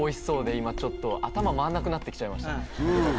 今ちょっと頭回んなくなってきちゃいました